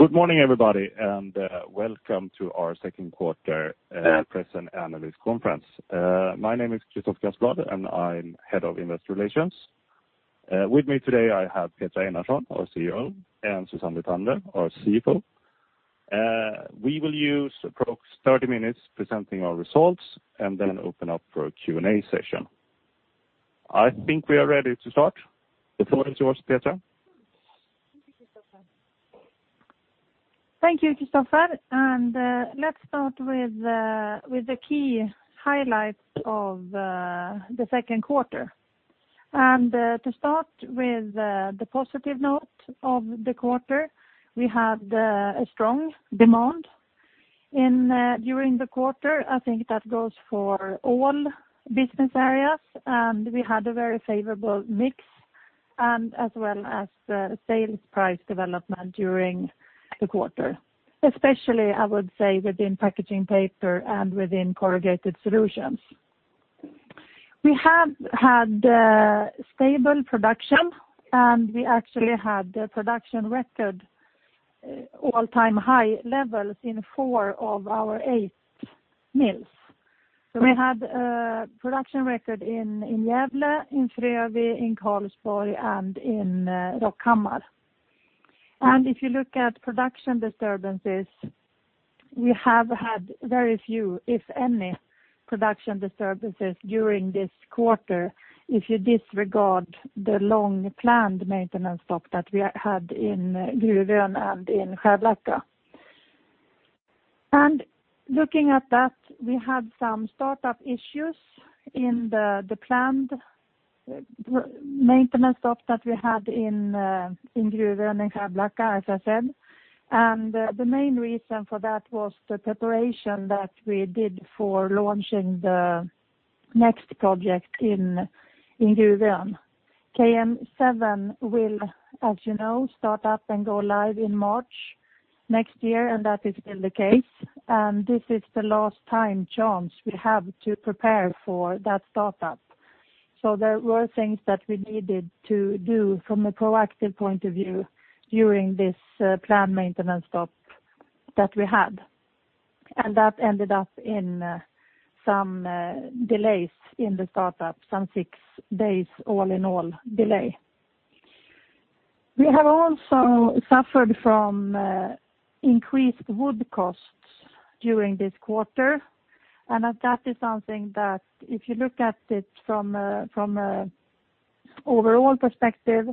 Good morning, everybody, and welcome to our second quarter press and analyst conference. My name is Christopher Casselblad, and I'm Head of Investor Relations. With me today I have Petra Einarsson, our CEO, and Susanne Lithander, our CFO. We will use approx. 30 minutes presenting our results and then open up for a Q&A session. I think we are ready to start. The floor is yours, Petra. Thank you, Christopher. Let's start with the key highlights of the second quarter. To start with the positive note of the quarter, we had a strong demand during the quarter. I think that goes for all business areas, and we had a very favorable mix, as well as sales price development during the quarter. Especially, I would say, within Packaging Paper and within Corrugated Solutions. We have had a stable production, and we actually had a production record all-time high levels in four of our eight mills. So we had a production record in Gävle, in Frövi, in Karlsborg, and in Rockhammar. If you look at production disturbances, we have had very few, if any, production disturbances during this quarter if you disregard the long-planned maintenance stop that we had in Gruvön and in Skärblacka. Looking at that, we had some startup issues in the planned maintenance stop that we had in Gruvön and Skärblacka, as I said. The main reason for that was the preparation that we did for launching the next project in Gruvön. KM7 will, as you know, start up and go live in March next year, and that is still the case. This is the last time chance we have to prepare for that startup. There were things that we needed to do from a proactive point of view during this planned maintenance stop that we had. That ended up in some delays in the startup, some six days all in all delay. We have also suffered from increased wood costs during this quarter, and that is something that if you look at it from a overall perspective,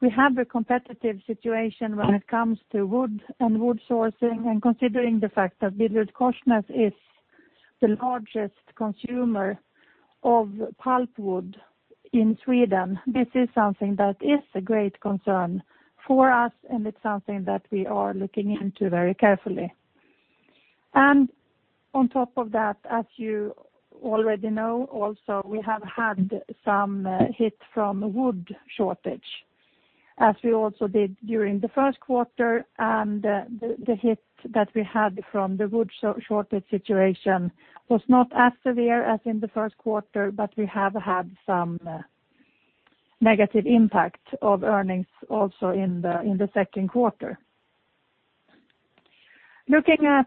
we have a competitive situation when it comes to wood and wood sourcing and considering the fact that BillerudKorsnäs is the largest consumer of pulpwood in Sweden. This is something that is a great concern for us, and it's something that we are looking into very carefully. On top of that, as you already know also, we have had some hit from wood shortage, as we also did during the first quarter, and the hit that we had from the wood shortage situation was not as severe as in the first quarter, but we have had some negative impact of earnings also in the second quarter. Looking at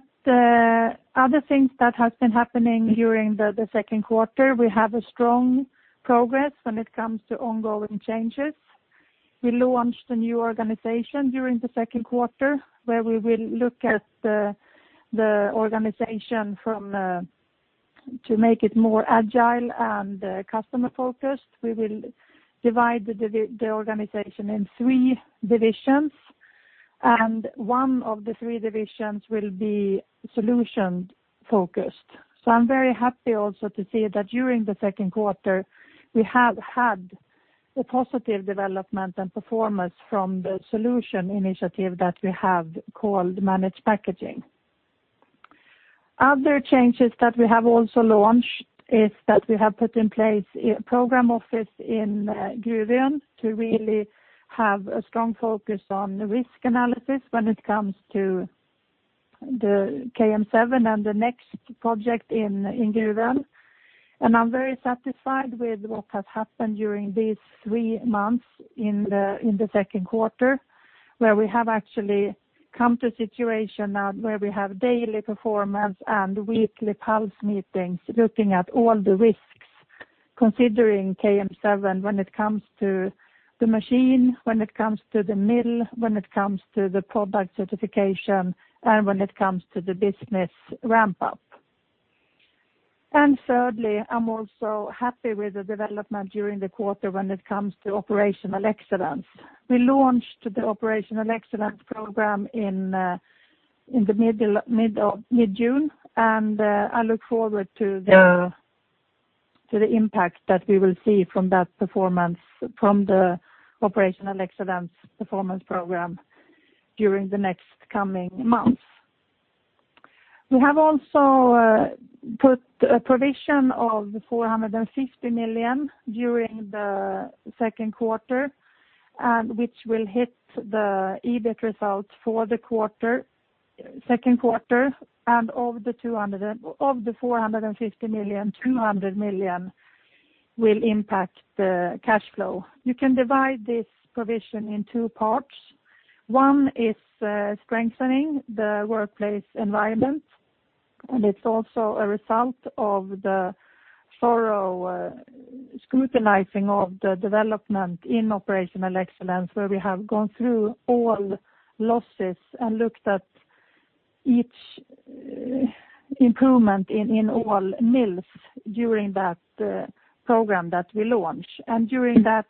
other things that has been happening during the second quarter, we have a strong progress when it comes to ongoing changes. We launched a new organization during the second quarter, where we will look at the organization to make it more agile and customer-focused. We will divide the organization in three divisions, and one of the three divisions will be solution-focused. I'm very happy also to see that during the second quarter, we have had a positive development and performance from the solution initiative that we have called Managed Packaging. Other changes that we have also launched is that we have put in place a program office in Gruvön to really have a strong focus on risk analysis when it comes to the KM7 and the next project in Gruvön. I'm very satisfied with what has happened during these three months in the second quarter, where we have actually come to a situation now where we have daily performance and weekly pulse meetings, looking at all the risks, considering KM7 when it comes to the machine, when it comes to the mill, when it comes to the product certification, and when it comes to the business ramp-up. Thirdly, I'm also happy with the development during the quarter when it comes to operational excellence. We launched the operational excellence program in mid-June, and I look forward to the impact that we will see from that performance from the operational excellence performance program during the next coming months. We have also put a provision of 450 million during the second quarter, which will hit the EBIT results for the second quarter and of the 450 million, 200 million will impact the cash flow. You can divide this provision in two parts. One is strengthening the workplace environment, and it's also a result of the thorough scrutinizing of the development in operational excellence, where we have gone through all losses and looked at each improvement in all mills during that program that we launch. During that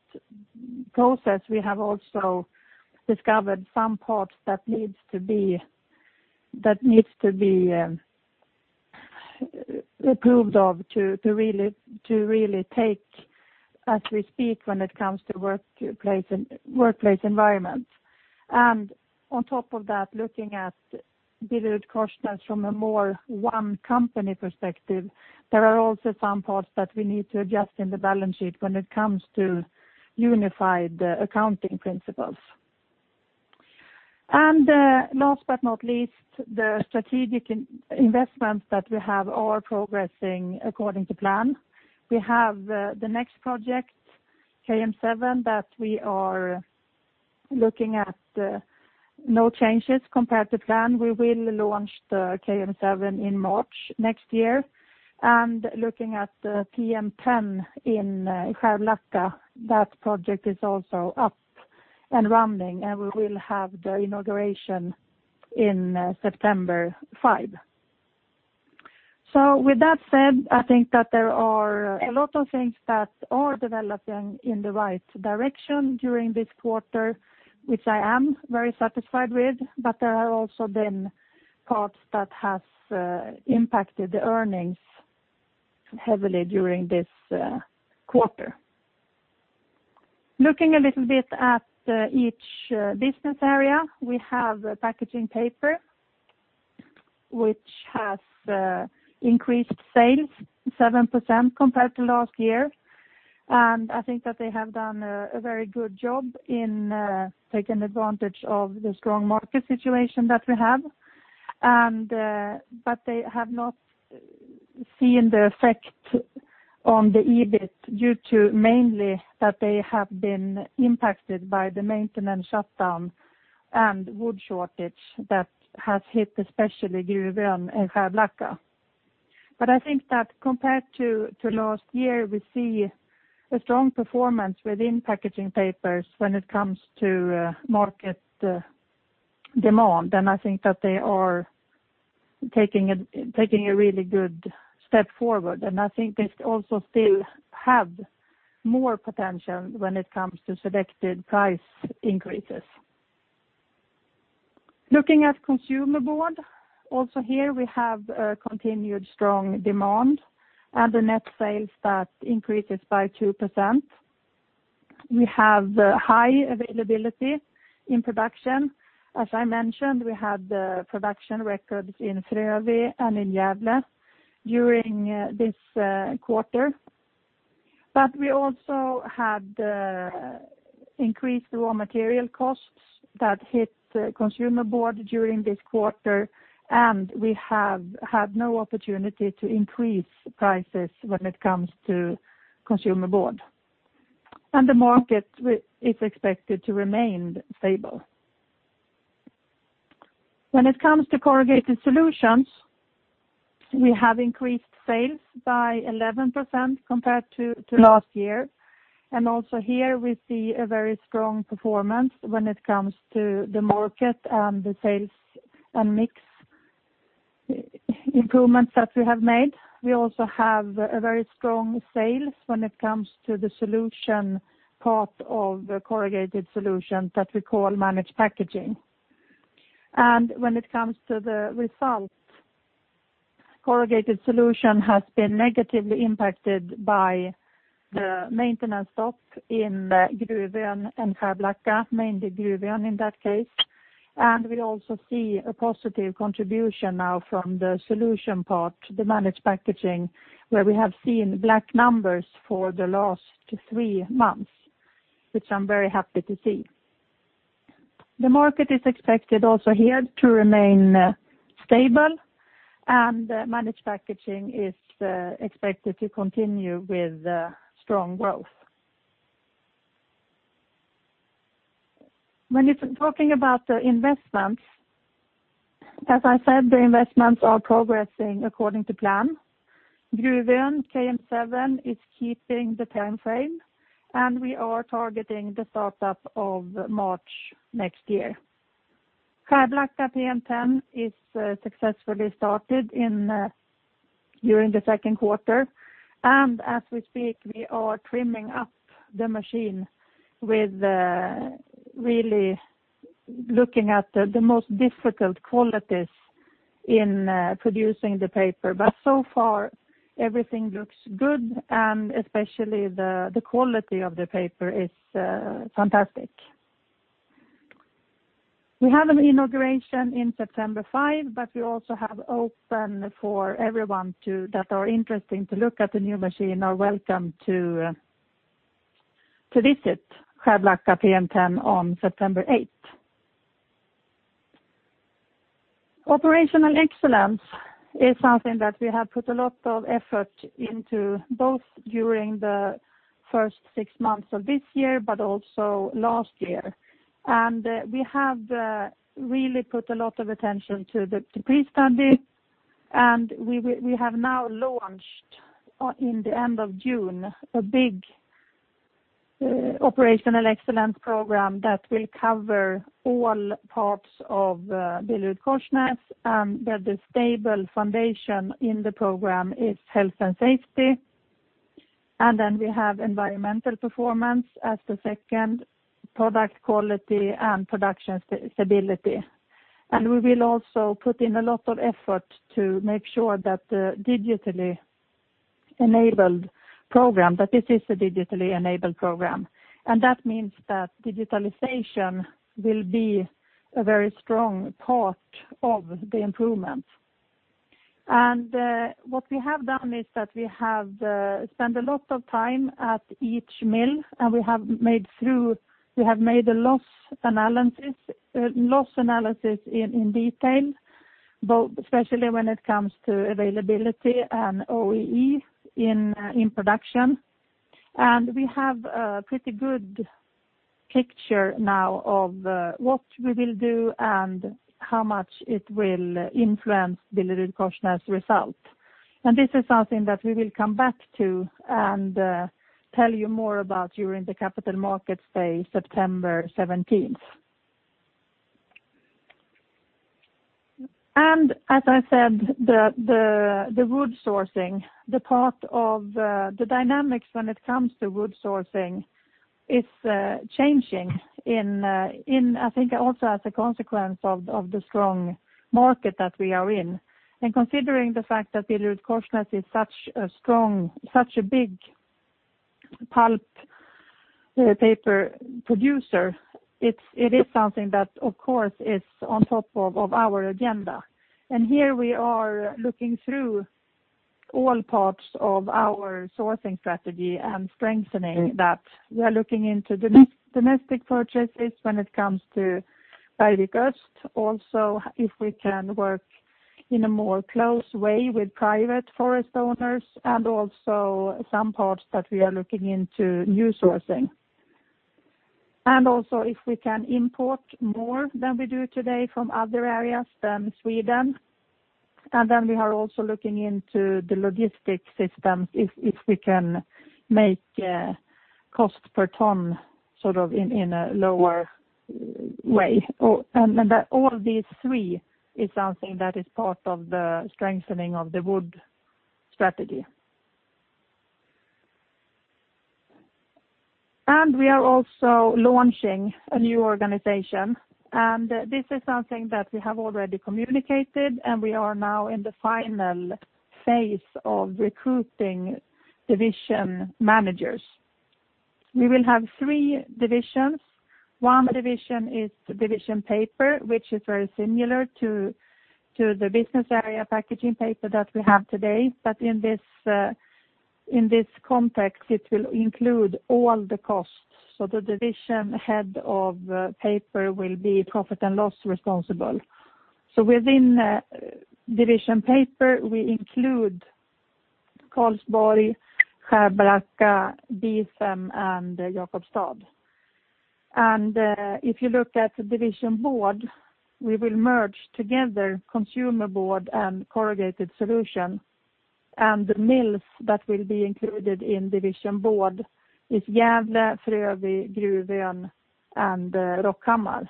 process, we have also discovered some parts that needs to be approved of to really take as we speak when it comes to workplace environment. On top of that, looking at BillerudKorsnäs from a more one company perspective, there are also some parts that we need to adjust in the balance sheet when it comes to unified accounting principles. Last but not least, the strategic investments that we have are progressing according to plan. We have the next project, KM7, that we are looking at no changes compared to plan. We will launch the KM7 in March next year. Looking at PM10 in Skärblacka, that project is also up and running, and we will have the inauguration in September 5. With that said, I think that there are a lot of things that are developing in the right direction during this quarter, which I am very satisfied with, but there are also then parts that has impacted the earnings heavily during this quarter. Looking a little bit at each business area, we have Packaging Paper, which has increased sales 7% compared to last year. I think that they have done a very good job in taking advantage of the strong market situation that we have. They have not seen the effect on the EBIT due to mainly that they have been impacted by the maintenance shutdown and wood shortage that has hit, especially Gruvön and Skärblacka. I think that compared to last year, we see a strong performance within Packaging Papers when it comes to market demand, and I think that they are taking a really good step forward. I think they also still have more potential when it comes to selected price increases. Looking at Consumer Board, also here we have a continued strong demand and the net sales that increases by 2%. We have high availability in production. As I mentioned, we had production records in Frövi and in Gävle during this quarter. We also had increased raw material costs that hit Consumer Board during this quarter. We have had no opportunity to increase prices when it comes to Consumer Board. The market is expected to remain stable. When it comes to Corrugated Solutions, we have increased sales by 11% compared to last year. Also here we see a very strong performance when it comes to the market and the sales and mix improvements that we have made. We also have a very strong sales when it comes to the solution part of the Corrugated Solutions that we call Managed Packaging. When it comes to the results, Corrugated Solutions has been negatively impacted by the maintenance stop in Gruvön and Skärblacka, mainly Gruvön in that case. We also see a positive contribution now from the solution part, the Managed Packaging, where we have seen black numbers for the last three months, which I am very happy to see. The market is expected also here to remain stable, and Managed Packaging is expected to continue with strong growth. When talking about the investments, as I said, the investments are progressing according to plan. Gruvön KM7 is keeping the timeframe, and we are targeting the startup of March next year. Skärblacka PM10 is successfully started during the second quarter. As we speak, we are trimming up the machine with really looking at the most difficult qualities in producing the paper. So far, everything looks good, and especially the quality of the paper is fantastic. We have an inauguration in September 5. We also have open for everyone that are interesting to look at the new machine are welcome to visit Skärblacka PM10 on September 8. Operational excellence is something that we have put a lot of effort into, both during the first six months of this year, also last year. We have really put a lot of attention to the pre-study, and we have now launched in the end of June a big operational excellence program that will cover all parts of BillerudKorsnäs. The stable foundation in the program is health and safety. We have environmental performance as the second product quality and production stability. We will also put in a lot of effort to make sure that this is a digitally enabled program. That means that digitalization will be a very strong part of the improvements. What we have done is that we have spent a lot of time at each mill, and we have made a loss analysis in detail, especially when it comes to availability and OEE in production. We have a pretty good picture now of what we will do and how much it will influence BillerudKorsnäs result. This is something that we will come back to and tell you more about during the Capital Markets Day, September 17th. As I said, the wood sourcing, the part of the dynamics when it comes to wood sourcing is changing, I think also as a consequence of the strong market that we are in. Considering the fact that BillerudKorsnäs is such a big pulp paper producer, it is something that, of course, is on top of our agenda. Here we are looking through all parts of our sourcing strategy and strengthening that. We are looking into domestic purchases when it comes to Bergvik Öst, also if we can work in a more close way with private forest owners and also some parts that we are looking into new sourcing. Also if we can import more than we do today from other areas than Sweden. Then we are also looking into the logistics systems, if we can make cost per ton sort of in a lower way. All these three is something that is part of the strengthening of the wood strategy. We are also launching a new organization, and this is something that we have already communicated, and we are now in the final phase of recruiting division managers. We will have three divisions. One division is Division Paper, which is very similar to the business area Packaging Paper that we have today. But in this context, it will include all the costs. So the division head of paper will be Profit and Loss responsible. So within Division Paper, we include Karlsborg, Skärblacka, Beetham, and Jakobstad. If you look at Division Board, we will merge together Consumer Board and Corrugated Solutions. The mills that will be included in Division Board is Gävle, Frövi, Gruvön, and Rockhammar.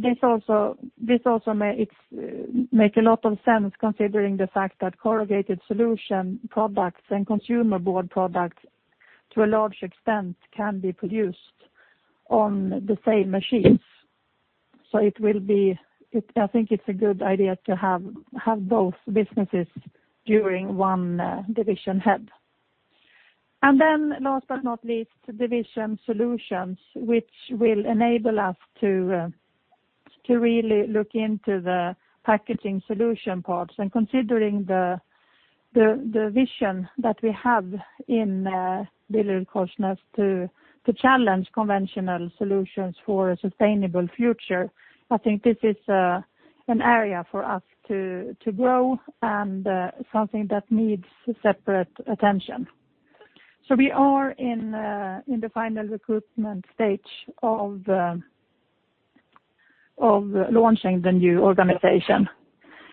This also makes a lot of sense considering the fact that Corrugated Solutions products and Consumer Board products, to a large extent, can be produced on the same machines. I think it's a good idea to have both businesses during one division head. Then last but not least, Division Solutions, which will enable us to really look into the packaging solution parts. Considering the vision that we have in BillerudKorsnäs to challenge conventional solutions for a sustainable future, I think this is an area for us to grow and something that needs separate attention. We are in the final recruitment stage of launching the new organization,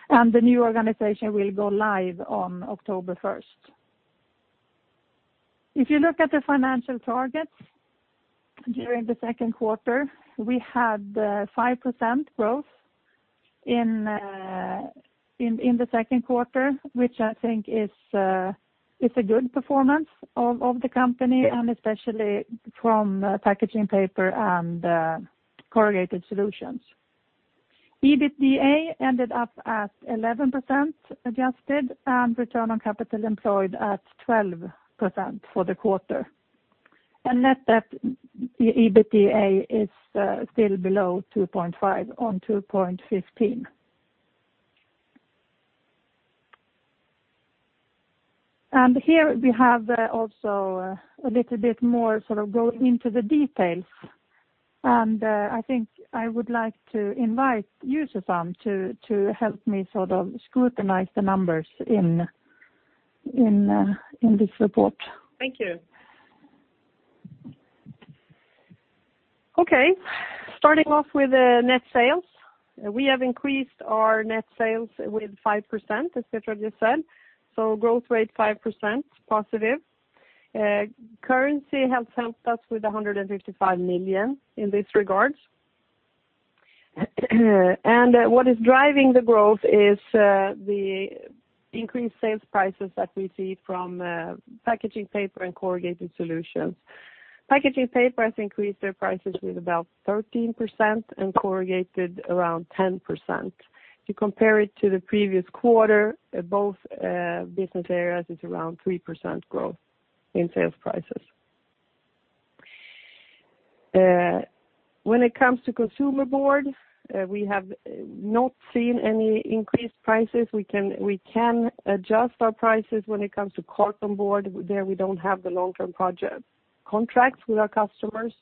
and the new organization will go live on October 1st. If you look at the financial targets during the second quarter, we had 5% growth in the second quarter, which I think is a good performance of the company, and especially from Packaging Paper and Corrugated Solutions. EBITDA ended up at 11% adjusted, and return on capital employed at 12% for the quarter. net debt EBITDA is still below 2.5 on 2.15. Here we have also a little bit more going into the details. I think I would like to invite you, Susanne, to help me scrutinize the numbers in this report. Thank you. Okay, starting off with net sales. We have increased our net sales with 5%, as Petra just said. growth rate 5% positive. Currency has helped us with 155 million in this regard. What is driving the growth is the increased sales prices that we see from Packaging Paper and Corrugated Solutions. Packaging Paper has increased their prices with about 13% and Corrugated Solutions around 10%. To compare it to the previous quarter, both business areas, it's around 3% growth in sales prices. When it comes to Consumer Board, we have not seen any increased prices. We can adjust our prices when it comes to Cartonboard. There, we don't have the long-term project contracts with our customers,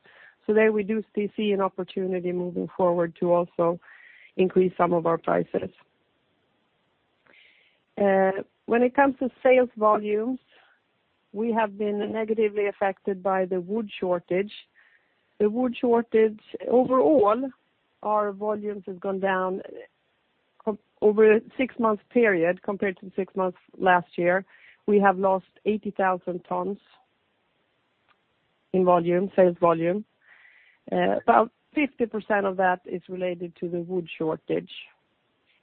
so there we do still see an opportunity moving forward to also increase some of our prices. When it comes to sales volumes, we have been negatively affected by the wood shortage. The wood shortage, overall, our volumes have gone down over a six-month period compared to the six months last year. We have lost 80,000 tons in sales volume. About 50% of that is related to the wood shortage.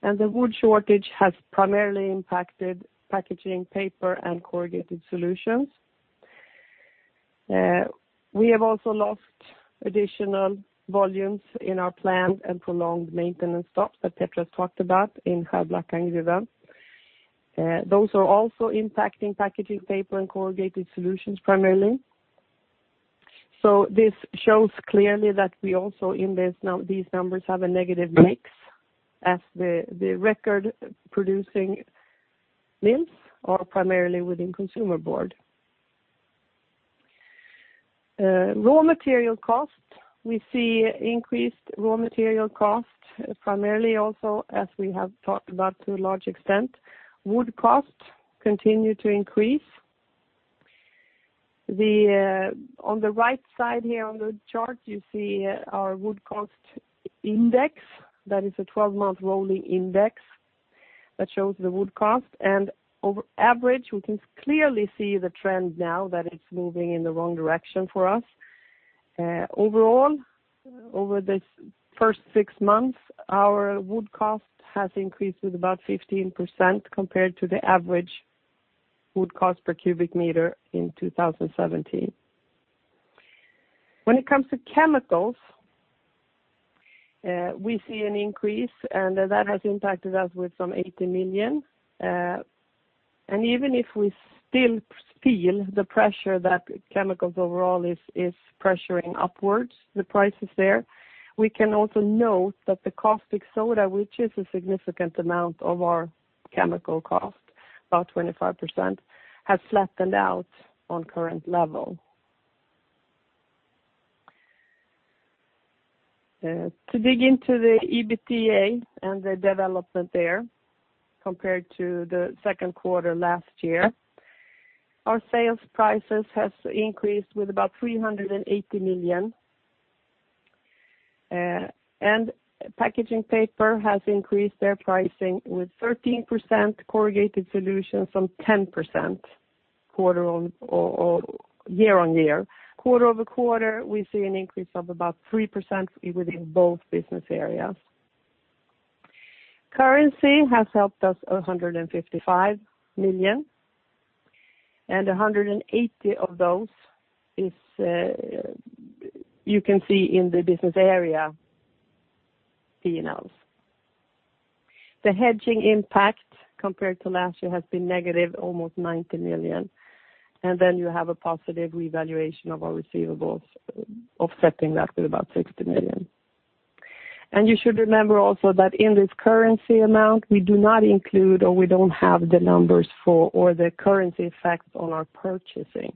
The wood shortage has primarily impacted Packaging Paper and Corrugated Solutions. We have also lost additional volumes in our planned and prolonged maintenance stops that Petra talked about in Skärblacka and Gruvön. Those are also impacting Packaging Paper and Corrugated Solutions primarily. This shows clearly that we also in these numbers have a negative mix as the record-producing mills are primarily within Consumer Board. Raw material cost. We see increased raw material cost primarily also, as we have talked about to a large extent. Wood costs continue to increase. On the right side here on the chart, you see our wood cost index. That is a 12-month rolling index that shows the wood cost. On average, we can clearly see the trend now that it's moving in the wrong direction for us. Overall, over this first six months, our wood cost has increased with about 15% compared to the average wood cost per cubic meter in 2017. When it comes to chemicals, we see an increase, and that has impacted us with some 80 million. Even if we still feel the pressure that chemicals overall is pressuring upwards the prices there, we can also note that the caustic soda, which is a significant amount of our chemical cost, about 25%, has flattened out on current level. To dig into the EBITDA and the development there compared to the second quarter last year, our sales prices have increased with about 380 million. Packaging Paper has increased their pricing with 13%, Corrugated Solutions some 10% year-on-year. Quarter-over-quarter, we see an increase of about 3% within both business areas. Currency has helped us 155 million, and 180 of those you can see in the business area P&Ls. The hedging impact compared to last year has been negative, almost 90 million. You have a positive revaluation of our receivables offsetting that with about 60 million. You should remember also that in this currency amount, we do not include or we don't have the numbers for, or the currency effects on our purchasing.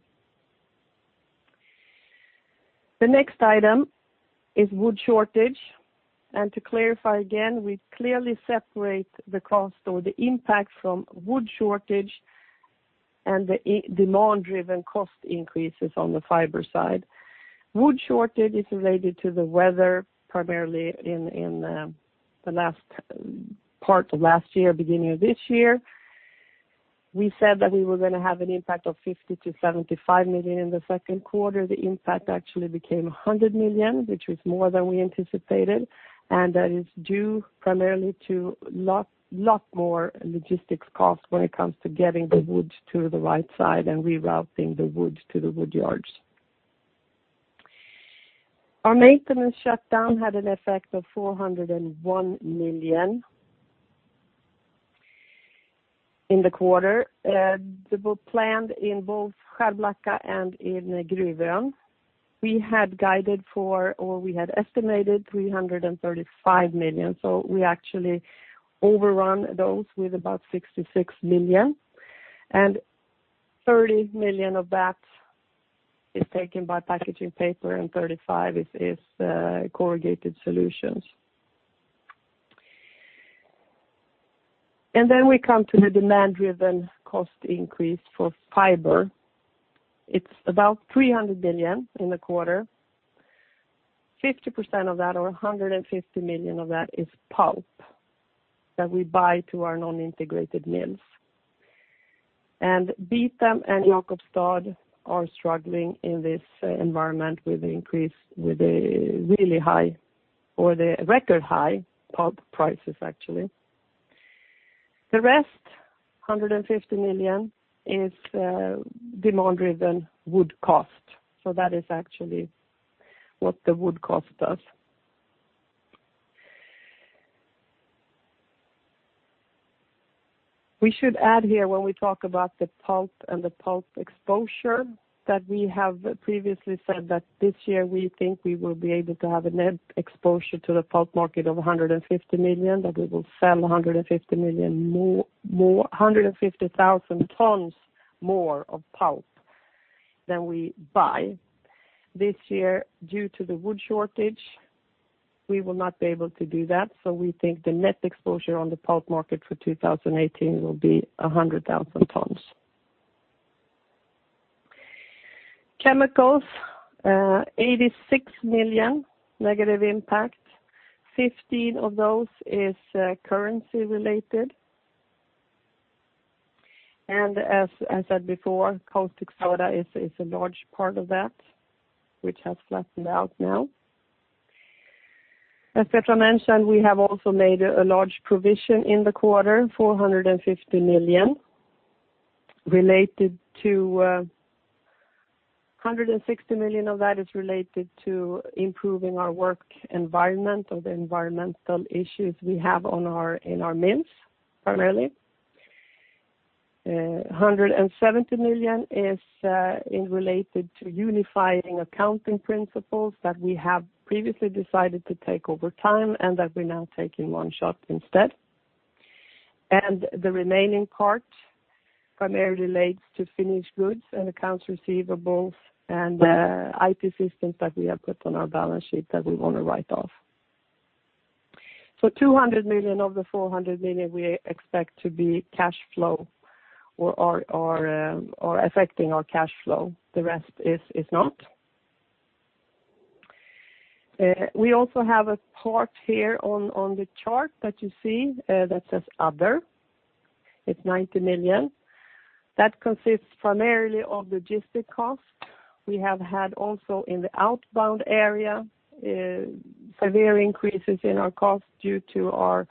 The next item is wood shortage. To clarify again, we clearly separate the cost or the impact from wood shortage and the demand-driven cost increases on the fiber side. Wood shortage is related to the weather, primarily in the last part of last year, beginning of this year. We said that we were going to have an impact of 50 million-75 million in the second quarter. The impact actually became 100 million, which was more than we anticipated, and that is due primarily to a lot more logistics cost when it comes to getting the wood to the right side and rerouting the wood to the wood yards. Our maintenance shutdown had an effect of 401 million in the quarter. They were planned in both Skärblacka and in Gruvön. We had guided for, or we had estimated 335 million. We actually overrun those with about 66 million, 30 million of that is taken by Packaging Paper and 35 is Corrugated Solutions. We come to the demand-driven cost increase for fiber. It's about 300 million in the quarter. 50% of that or 150 million of that is pulp that we buy to our non-integrated mills. Beetham and Jakobstad are struggling in this environment with the really high or the record-high pulp prices, actually. The rest, 150 million, is demand-driven wood cost. That is actually what the wood cost does. We should add here when we talk about the pulp and the pulp exposure, that we have previously said that this year we think we will be able to have a net exposure to the pulp market of 150 million, that we will sell 150,000 tons more of pulp than we buy. This year, due to the wood shortage, we will not be able to do that, so we think the net exposure on the pulp market for 2018 will be 100,000 tons. This year, due to the wood shortage, we will not be able to do that, so we think the net exposure on the pulp market for 2018 will be 100,000 tons. Chemicals, 86 million negative impact. 15 of those is currency related. As I said before, caustic soda is a large part of that, which has flattened out now. As Petra mentioned, we have also made a large provision in the quarter, 450 million. 160 million of that is related to improving our work environment or the environmental issues we have in our mills, primarily. 170 million is related to unifying accounting principles that we have previously decided to take over time and that we're now taking one shot instead. The remaining part primarily relates to finished goods and accounts receivables and IT systems that we have put on our balance sheet that we want to write off. 200 million of the 450 million we expect to be cash flow or affecting our cash flow. The rest is not. We also have a part here on the chart that you see that says other. It is 90 million. That consists primarily of logistic cost. We have had also in the outbound area, severe increases in our cost due to our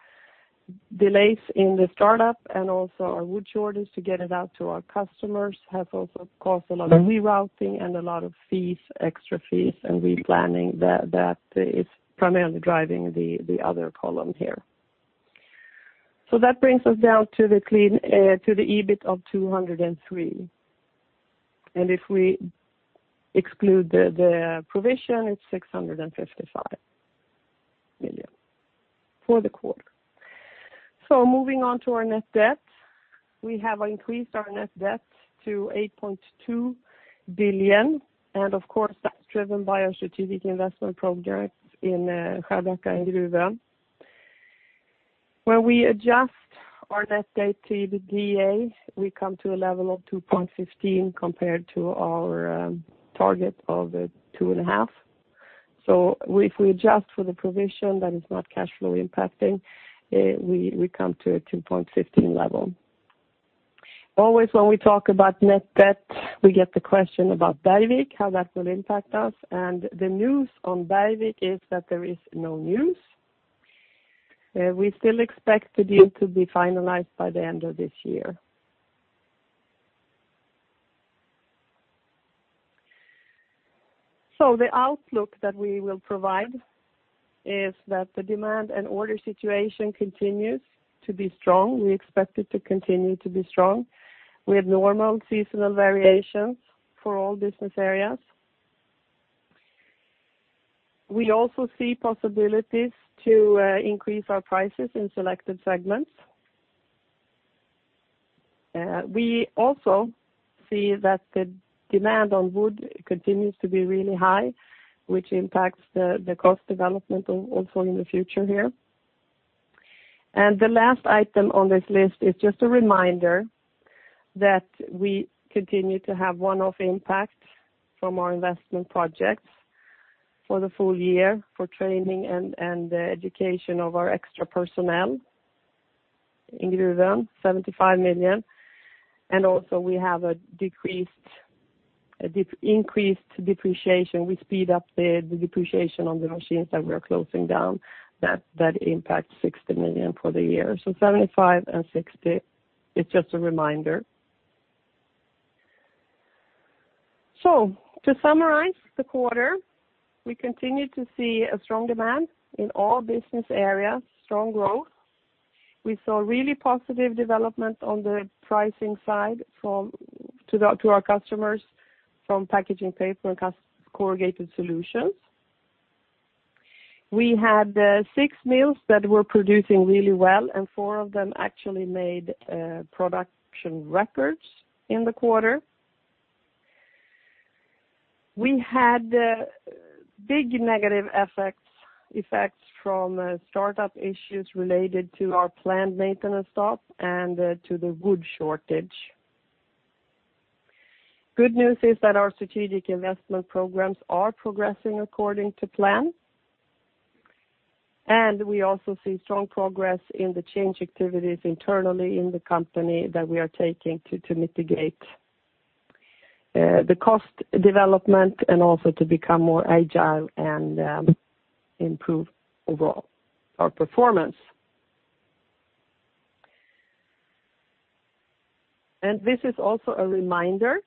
delays in the startup and also our wood shortage to get it out to our customers has also caused a lot of rerouting and a lot of extra fees and replanning. That is primarily driving the other column here. That brings us down to the EBIT of 203 million. If we exclude the provision, it is 655 million for the quarter. Moving on to our net debt. We have increased our net debt to 8.2 billion, and of course, that is driven by our strategic investment project in Skärblacka and Gruvön. When we adjust our net debt to the EBITDA, we come to a level of 2.15 compared to our target of the 2.5. If we adjust for the provision that is not cash flow impacting, we come to a 2.15 level. Always when we talk about net debt, we get the question about Bergvik, how that will impact us, and the news on Bergvik is that there is no news. We still expect the deal to be finalized by the end of this year. The outlook that we will provide is that the demand and order situation continues to be strong. We expect it to continue to be strong. We have normal seasonal variations for all business areas. We also see possibilities to increase our prices in selected segments. We also see that the demand on wood continues to be really high, which impacts the cost development also in the future here. The last item on this list is just a reminder that we continue to have one-off impacts from our investment projects for the full year for training and the education of our extra personnel in Gruvön, SEK 75 million. We also have an increased depreciation. We speed up the depreciation on the machines that we are closing down. That impacts 60 million for the year. 75 and 60, it is just a reminder. To summarize the quarter, we continue to see a strong demand in all business areas, strong growth. We saw really positive development on the pricing side to our customers from Packaging Paper and Corrugated Solutions. We had 6 mills that were producing really well, and 4 of them actually made production records in the quarter. We had big negative effects from startup issues related to our planned maintenance stop and to the wood shortage. Good news is that our strategic investment programs are progressing according to plan. We also see strong progress in the change activities internally in the company that we are taking to mitigate the cost development and also to become more agile and improve overall our performance. This is also a reminder,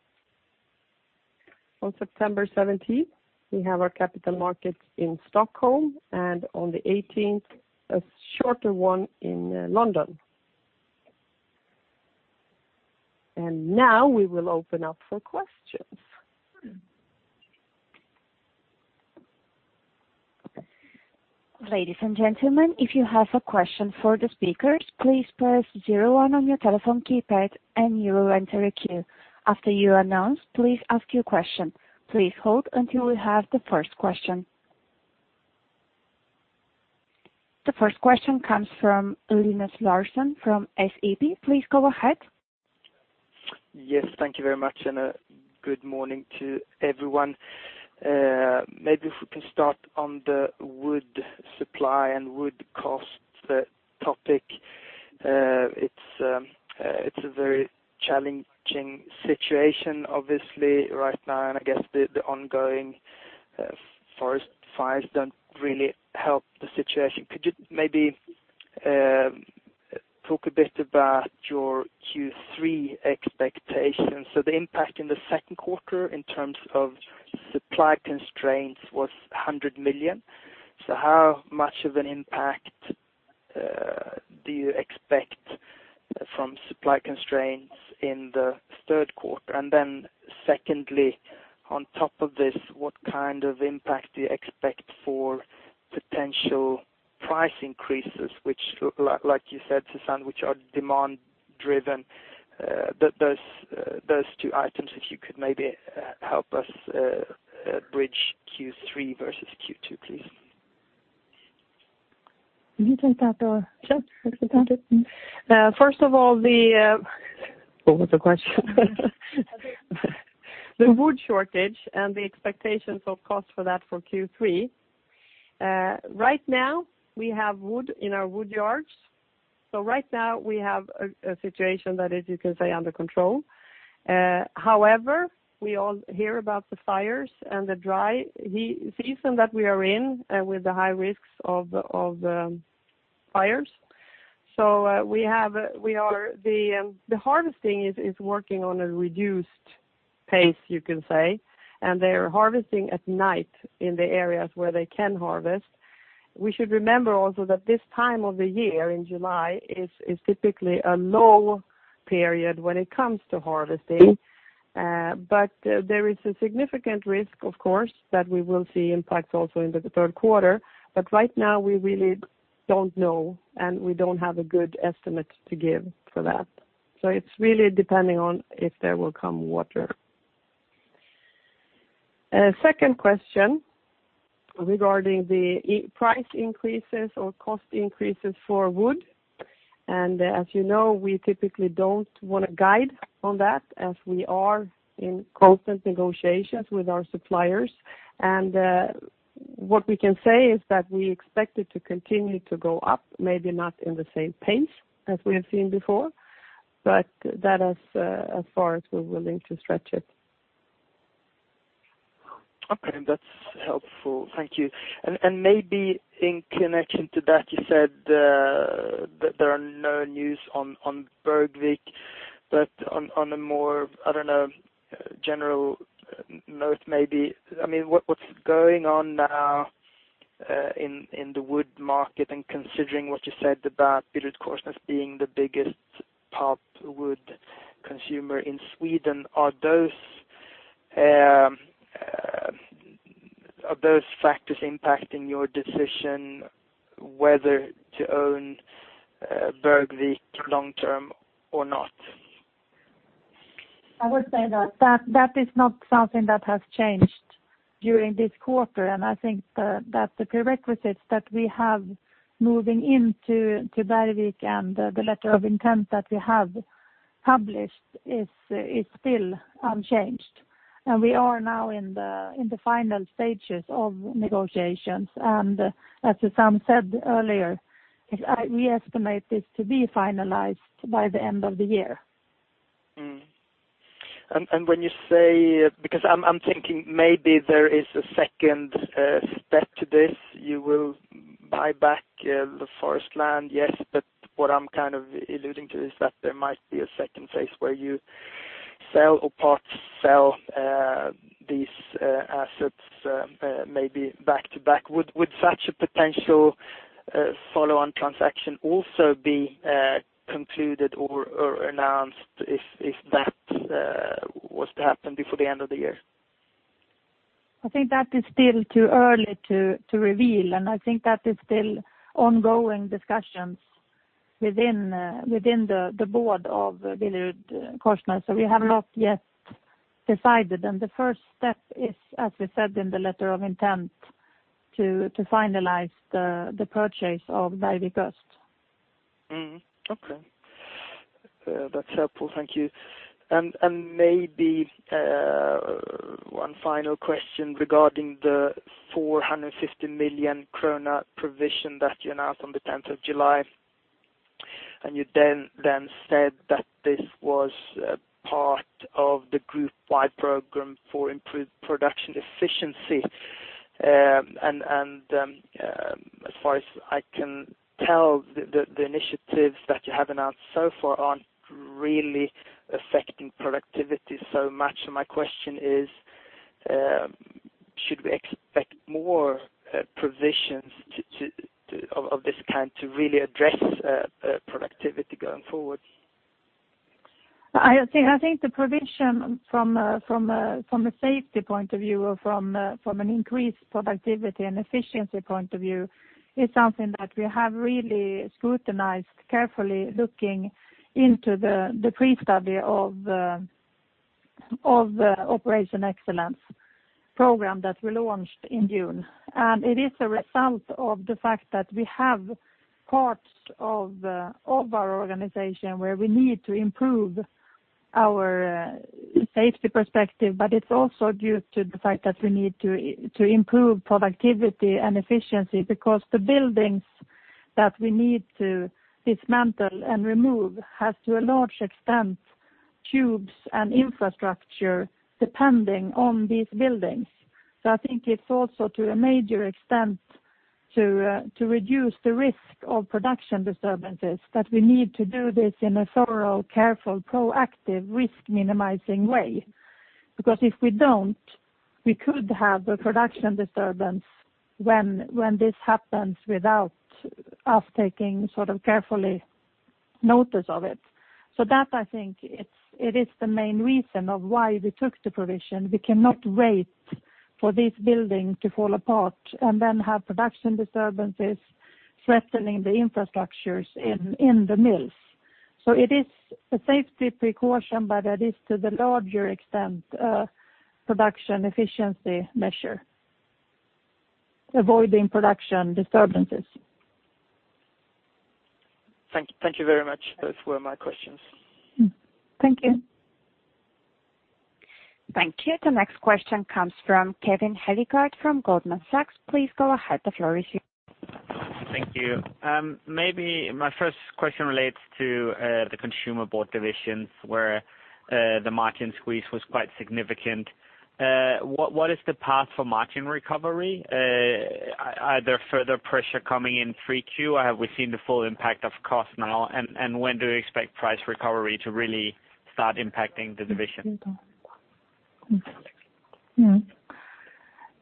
on September 17th, we have our capital markets in Stockholm, and on the 18th, a shorter one in London. Now we will open up for questions. Ladies and gentlemen, if you have a question for the speakers, please press 01 on your telephone keypad and you will enter a queue. After you are announced, please ask your question. Please hold until we have the first question. The first question comes from Linus Larsson from SEB. Please go ahead. Thank you very much, and good morning to everyone. Maybe if we can start on the wood supply and wood cost topic. It's a very challenging situation obviously right now, and I guess the ongoing forest fires don't really help the situation. Could you maybe talk a bit about your Q3 expectations? The impact in the second quarter in terms of supply constraints was 100 million. How much of an impact do you expect from supply constraints in the third quarter? Secondly, on top of this, what kind of impact do you expect for potential price increases, which, like you said, Susanne Lithander, which are demand driven, those two items, if you could maybe help us bridge Q3 versus Q2, please. You take that or? Sure. First of all, what was the question? The wood shortage and the expectations of cost for that for Q3. Right now, we have wood in our wood yards. Right now we have a situation that is, you can say, under control. However, we all hear about the fires and the dry season that we are in with the high risks of fires. The harvesting is working on a reduced pace, you can say, and they are harvesting at night in the areas where they can harvest. We should remember also that this time of the year in July is typically a low period when it comes to harvesting. There is a significant risk, of course, that we will see impacts also into the third quarter. Right now, we really don't know, and we don't have a good estimate to give for that. It's really depending on if there will come water. Second question regarding the price increases or cost increases for wood. As you know, we typically don't want to guide on that as we are in constant negotiations with our suppliers. What we can say is that we expect it to continue to go up, maybe not in the same pace as we have seen before, but that is as far as we're willing to stretch it. Okay. That's helpful. Thank you. Maybe in connection to that, you said that there are no news on Bergvik, but on a more, I don't know, general note maybe, what's going on now in the wood market and considering what you said about BillerudKorsnäs being the biggest pulpwood consumer in Sweden, are those factors impacting your decision whether to own Bergvik long term or not? I would say that is not something that has changed during this quarter, and I think that the prerequisites that we have moving into Bergvik and the letter of intent that we have published is still unchanged. We are now in the final stages of negotiations. As Susanne said earlier, we estimate this to be finalized by the end of the year. When you say, because I'm thinking maybe there is a second step to this, you will buy back the forest land, yes. What I'm alluding to is that there might be a second phase where you sell or part sell these assets maybe back to back. Would such a potential follow-on transaction also be concluded or announced if that was to happen before the end of the year? I think that is still too early to reveal. I think that is still ongoing discussions within the board of BillerudKorsnäs. We have not yet decided. The first step is, as we said in the letter of intent, to finalize the purchase of Veideekust first. Okay. That's helpful. Thank you. Maybe one final question regarding the 450 million krona provision that you announced on the 10th of July. You then said that this was part of the group-wide program for improved production efficiency. As far as I can tell, the initiatives that you have announced so far aren't really affecting productivity so much. My question is, should we expect more provisions of this kind to really address productivity going forward? I think the provision from a safety point of view or from an increased productivity and efficiency point of view is something that we have really scrutinized carefully looking into the pre-study of the Operational Excellence Program that we launched in June. It is a result of the fact that we have parts of our organization where we need to improve our safety perspective. It's also due to the fact that we need to improve productivity and efficiency because the buildings that we need to dismantle and remove has, to a large extent, tubes and infrastructure depending on these buildings. I think it's also to a major extent to reduce the risk of production disturbances that we need to do this in a thorough, careful, proactive, risk-minimizing way, because if we don't, we could have a production disturbance when this happens without us taking sort of carefully notice of it. That I think it is the main reason of why we took the provision. We cannot wait for this building to fall apart and then have production disturbances threatening the infrastructures in the mills. It is a safety precaution. It is to the larger extent, production efficiency measure, avoiding production disturbances. Thank you very much. Those were my questions. Thank you. Thank you. The next question comes from Cole Hathorn from Jefferies. Please go ahead. The floor is yours. Thank you. Maybe my first question relates to the Consumer Board divisions, where the margin squeeze was quite significant. What is the path for margin recovery? Are there further pressure coming in 3Q, or have we seen the full impact of cost now? When do you expect price recovery to really start impacting the division?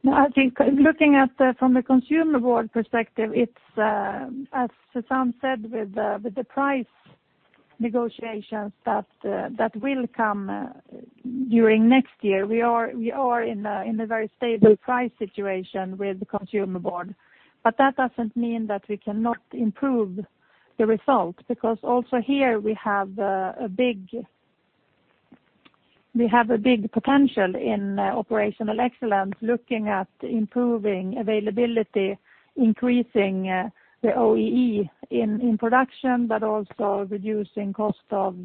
I think looking at from the Consumer Board perspective, it is, as Susanne said, with the price negotiations that will come during next year. We are in a very stable price situation with the Consumer Board, but that doesn't mean that we cannot improve the result, because also here we have a big potential in operational excellence, looking at improving availability, increasing the OEE in production, but also reducing cost of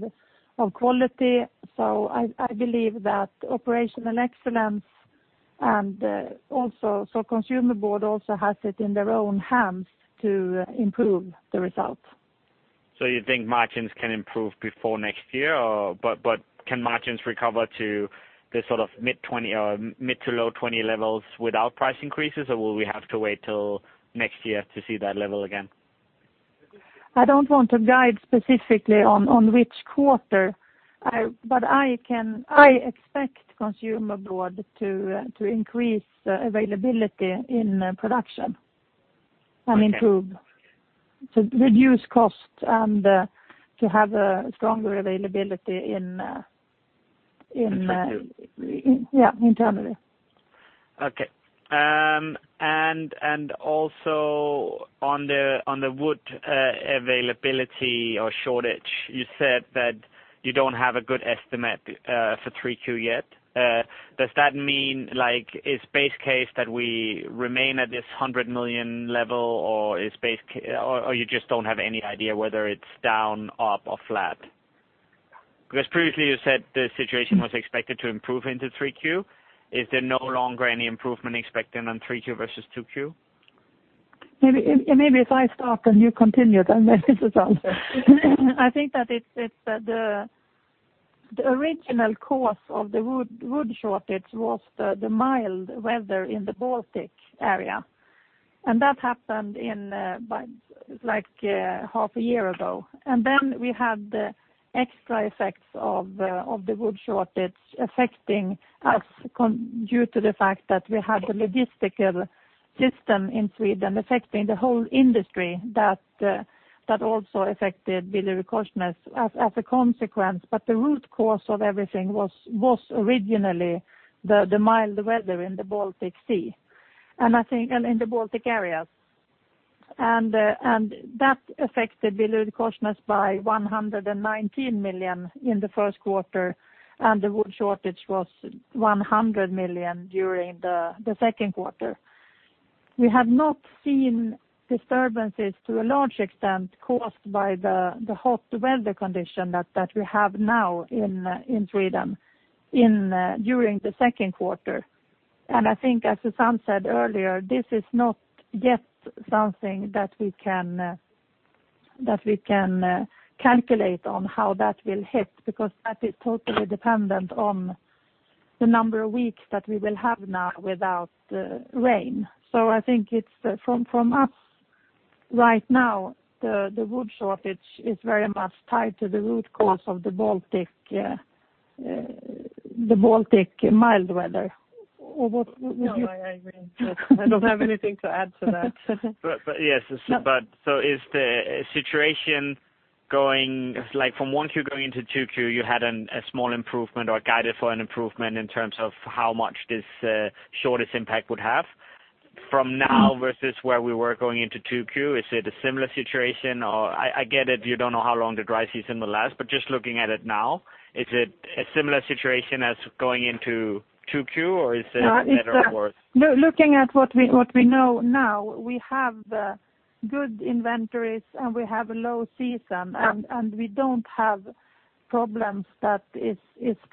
quality. I believe that operational excellence and also Consumer Board also has it in their own hands to improve the result. You think margins can improve before next year, but can margins recover to the sort of mid to low 20% levels without price increases? Will we have to wait till next year to see that level again? I don't want to guide specifically on which quarter, but I expect Consumer Board to increase availability in production and improve to reduce cost and to have a stronger availability. Internally. Internally. Okay. Also on the wood availability or shortage, you said that you don't have a good estimate for 3Q yet. Does that mean is base case that we remain at this 100 million level, you just don't have any idea whether it's down, up, or flat? Previously you said the situation was expected to improve into 3Q. Is there no longer any improvement expected on 3Q versus 2Q? Maybe if I start and you continue then maybe Susanne. I think that the original cause of the wood shortage was the mild weather in the Baltic area. That happened like half a year ago. Then we had the extra effects of the wood shortage affecting us due to the fact that we had the logistical system in Sweden affecting the whole industry, that also affected BillerudKorsnäs as a consequence. The root cause of everything was originally the mild weather in the Baltic Sea and in the Baltic areas. That affected BillerudKorsnäs by 119 million in the first quarter, and the wood shortage was 100 million during the second quarter. We have not seen disturbances to a large extent caused by the hot weather condition that we have now in Sweden during the second quarter. I think as Susanne said earlier, this is not yet something that we can calculate on how that will hit, because that is totally dependent on the number of weeks that we will have now without rain. I think from us right now, the wood shortage is very much tied to the root cause of the Baltic mild weather. What would you- No, I agree. I don't have anything to add to that. Yes. Is the situation going, from 1Q going into 2Q, you had a small improvement or guided for an improvement in terms of how much this shortage impact would have. From now versus where we were going into 2Q, is it a similar situation? I get it, you don't know how long the dry season will last, but just looking at it now, is it a similar situation as going into 2Q, or is it better or worse? Looking at what we know now, we have good inventories, and we have a low season, and we don't have problems that is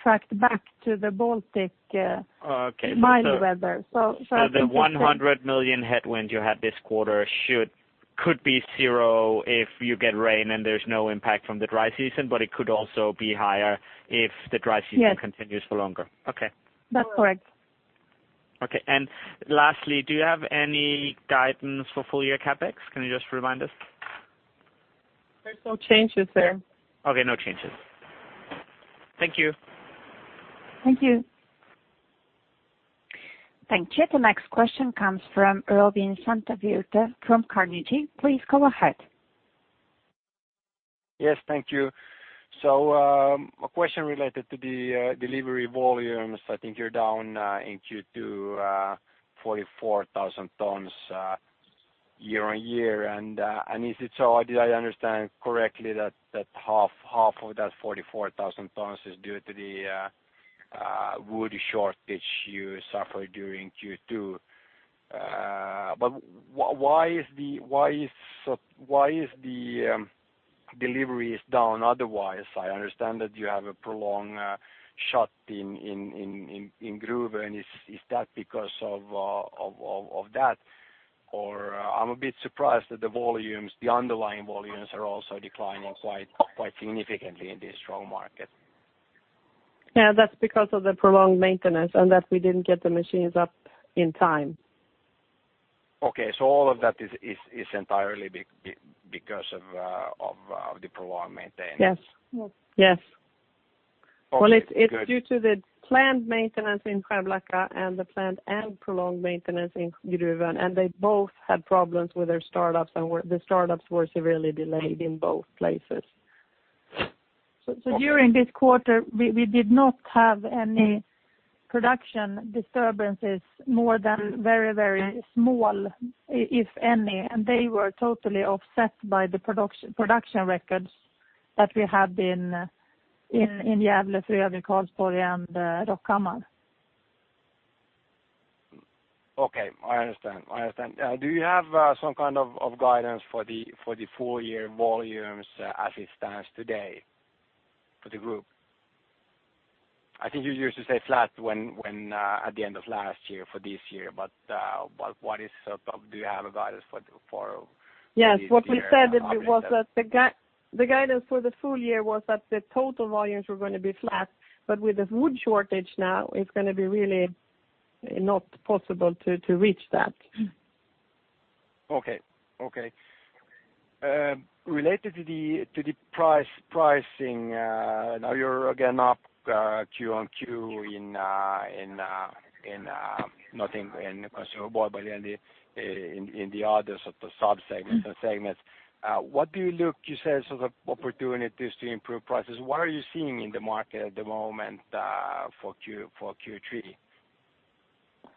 tracked back to the Baltic. Oh, okay. Mild weather. I think it's. The 100 million headwind you had this quarter could be zero if you get rain and there's no impact from the dry season, but it could also be higher if the dry season- Yes continues for longer. Okay. That's correct. Okay. Lastly, do you have any guidance for full-year CapEx? Can you just remind us? There's no changes there. Okay, no changes. Thank you. Thank you. Thank you. The next question comes from Robin Santavirta from Carnegie. Please go ahead. Yes, thank you. A question related to the delivery volumes. I think you're down in Q2 44,000 tons year-on-year. Is it so, did I understand correctly that half of that 44,000 tons is due to the wood shortage you suffered during Q2? Why is the deliveries down otherwise? I understand that you have a prolonged shut in Gruvön. Is that because of that, or I'm a bit surprised that the underlying volumes are also declining quite significantly in this strong market. Yeah, that's because of the prolonged maintenance, and that we didn't get the machines up in time. Okay. All of that is entirely because of the prolonged maintenance. Yes. Yes. Okay, good. It's due to the planned maintenance in Skärblacka and the planned and prolonged maintenance in Gruvön. They both had problems with their startups. The startups were severely delayed in both places. During this quarter, we did not have any production disturbances, more than very, very small, if any. They were totally offset by the production records that we had in Gävle, Frövi, Karlsborg, and Rockhammar. Okay, I understand. Do you have some kind of guidance for the full-year volumes as it stands today for the group? I think you used to say flat at the end of last year for this year. Do you have a guidance for this year? Yes, what we said was that the guidance for the full year was that the total volumes were going to be flat, with the wood shortage now, it's going to be really not possible to reach that. Okay. Related to the pricing, now you're again up Q on Q in nothing in the Consumer Board, but in the other sub-segments and segments. You said sort of opportunities to improve prices. What are you seeing in the market at the moment for Q3? I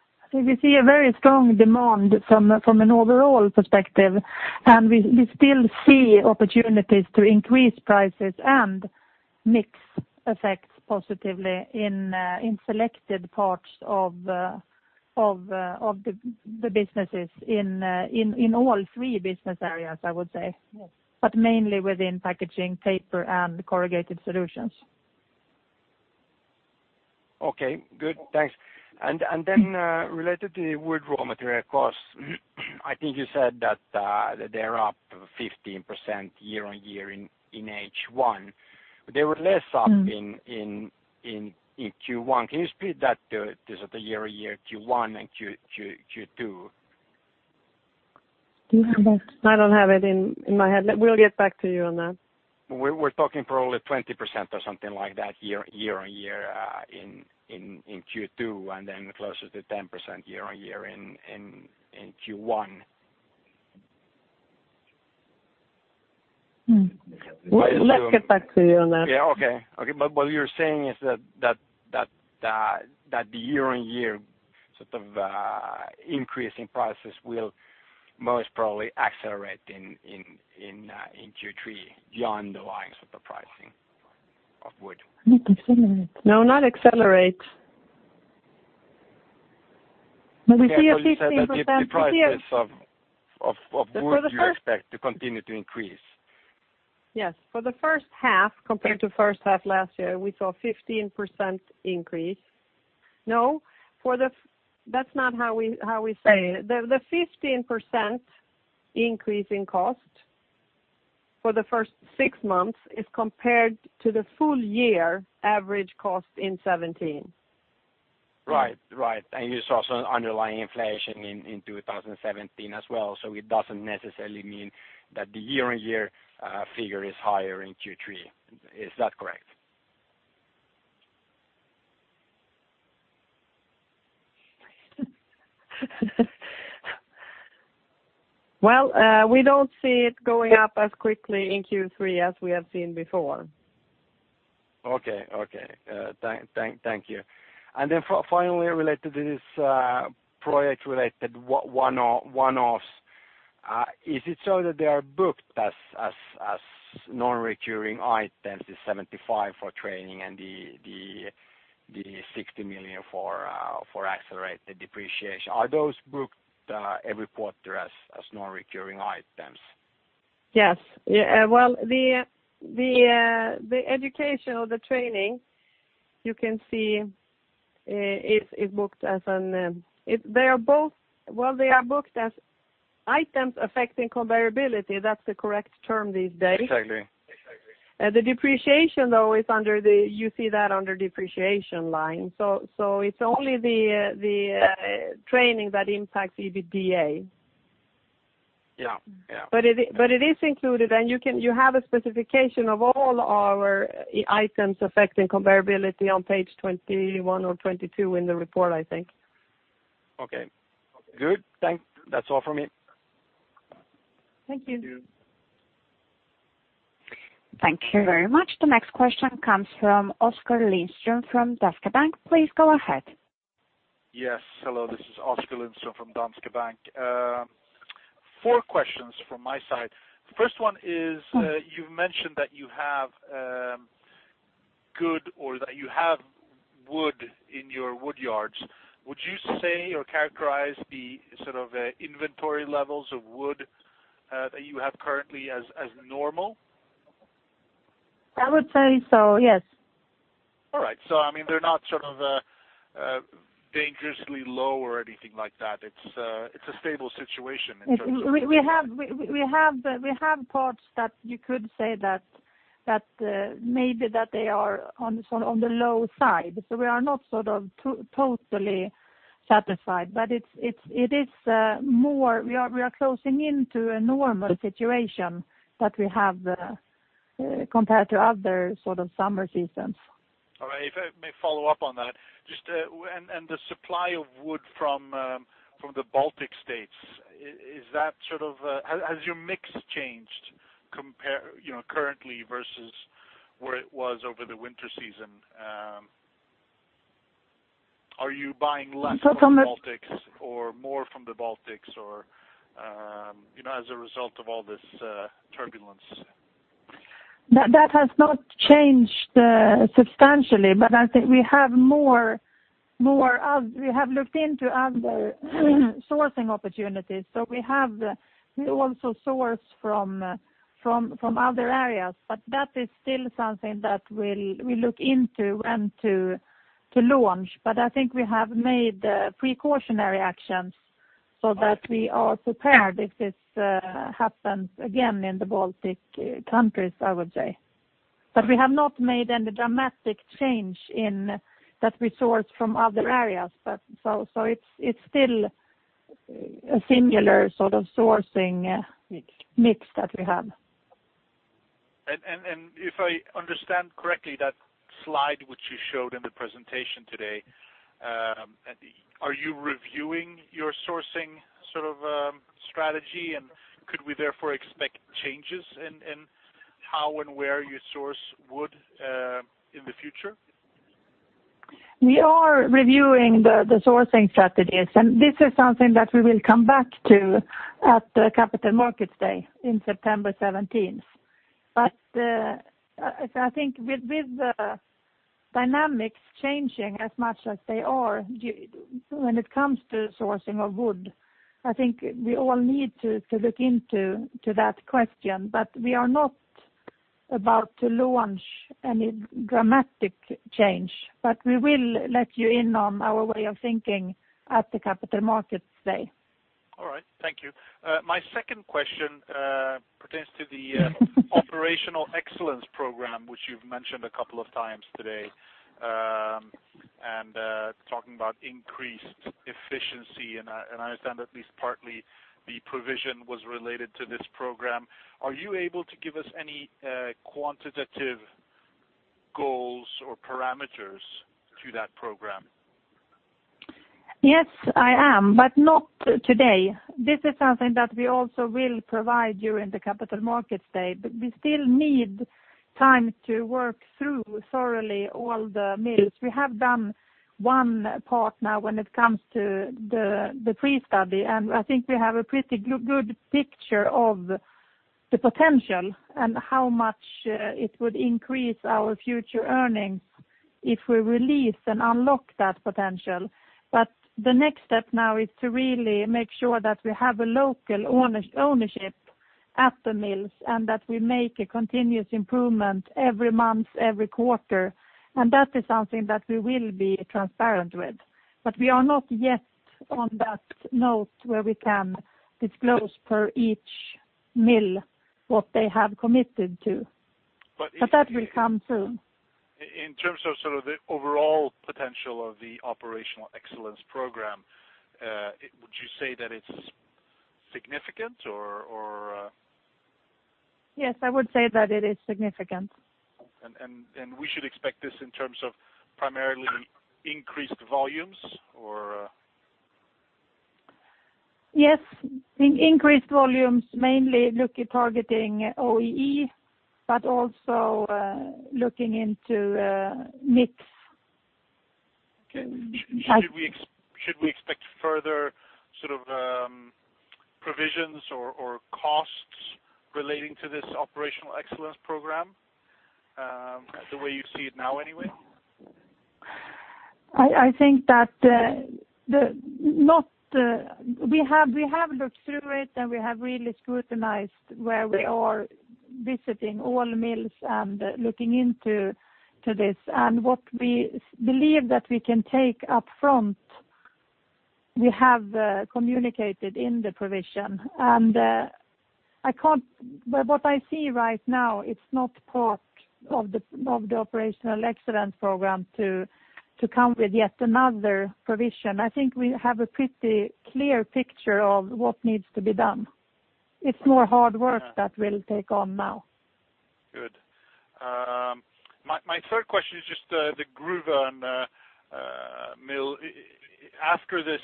think we see a very strong demand from an overall perspective, and we still see opportunities to increase prices and mix effects positively in selected parts of the businesses in all three business areas, I would say. Yes. Mainly within Packaging Paper and Corrugated Solutions. Okay, good. Thanks. Then related to the wood raw material costs, I think you said that they're up 15% year-over-year in H1. They were less up in Q1. Can you split that, the year-over-year Q1 and Q2? Do you have that? I don't have it in my head. We'll get back to you on that. We're talking probably 20% or something like that year-over-year in Q2, and then closer to 10% year-over-year in Q1. Let's get back to you on that. Yeah. Okay. What you're saying is that the year-over-year increase in prices will most probably accelerate in Q3 beyond the rise of the pricing of wood. Not accelerate. No, not accelerate. We see a 15% year- You said that the prices of wood you expect to continue to increase. Yes. For the first half compared to first half last year, we saw a 15% increase. No, that's not how we say it. The 15% increase in cost for the first six months is compared to the full year average cost in 2017. Right. You saw some underlying inflation in 2017 as well, so it doesn't necessarily mean that the year-on-year figure is higher in Q3. Is that correct? Well, we don't see it going up as quickly in Q3 as we have seen before. Okay. Thank you. Then finally, related to this project related one-offs, is it so that they are booked as non-recurring items, the 75 for training and the 60 million for accelerated depreciation? Are those booked every quarter as non-recurring items? Yes. Well, the education or the training, you can see, they are booked as items affecting comparability. That's the correct term these days. Exactly. The depreciation, though, you see that under depreciation line. It's only the training that impacts EBITDA. Yeah. It is included, and you have a specification of all our items affecting comparability on page 21 or 22 in the report, I think. Okay. Good. That's all from me. Thank you. Thank you. Thank you very much. The next question comes from Oskar Lindström from Danske Bank. Please go ahead. Yes. Hello, this is Oskar Lindström from Danske Bank. Four questions from my side. The first one is, you've mentioned that you have wood in your woodyards. Would you say or characterize the inventory levels of wood that you have currently as normal? I would say so, yes. All right. I mean, they're not dangerously low or anything like that. It's a stable situation in terms of- We have parts that you could say that maybe that they are on the low side. We are not totally satisfied. We are closing into a normal situation that we have compared to other summer seasons. All right. If I may follow up on that. The supply of wood from the Baltic States, has your mix changed currently versus where it was over the winter season? Are you buying less from the Baltics or more from the Baltics as a result of all this turbulence? That has not changed substantially, I think we have looked into other sourcing opportunities. We also source from other areas. That is still something that we look into when to launch. I think we have made precautionary actions so that we are prepared if this happens again in the Baltic countries, I would say. We have not made any dramatic change in that we source from other areas. It's still a singular sort of sourcing mix that we have. If I understand correctly, that slide which you showed in the presentation today, are you reviewing your sourcing strategy? Could we therefore expect changes in how and where you source wood in the future? We are reviewing the sourcing strategies, this is something that we will come back to at the Capital Markets Day in September 17th. I think with the dynamics changing as much as they are when it comes to sourcing of wood, I think we all need to look into that question. We are not about to launch any dramatic change, we will let you in on our way of thinking at the Capital Markets Day. All right. Thank you. My second question pertains to the Operational Excellence Program, which you've mentioned a couple of times today. Talking about increased efficiency, I understand at least partly the provision was related to this program. Are you able to give us any quantitative goals or parameters to that program? Yes, I am, but not today. This is something that we also will provide you in the Capital Markets Day, but we still need time to work through thoroughly all the mills. We have done one part now when it comes to the pre-study, and I think we have a pretty good picture of the potential and how much it would increase our future earnings if we release and unlock that potential. The next step now is to really make sure that we have a local ownership at the mills, and that we make a continuous improvement every month, every quarter. That is something that we will be transparent with. We are not yet on that note where we can disclose for each mill what they have committed to. If you- That will come soon. in terms of sort of the overall potential of the operational excellence program, would you say that it's significant or? Yes, I would say that it is significant. We should expect this in terms of primarily increased volumes or? Yes, increased volumes, mainly look at targeting OEE, but also looking into mix. Okay. Should we expect further sort of provisions or costs relating to this operational excellence program, the way you see it now anyway? I think that we have looked through it, we have really scrutinized where we are visiting all mills and looking into this. What we believe that we can take up front, we have communicated in the provision. What I see right now, it's not part of the operational excellence program to come with yet another provision. I think we have a pretty clear picture of what needs to be done. It's more hard work that we'll take on now. Good. My third question is just the Gruvön mill. After this